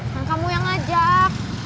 kan kamu yang ajak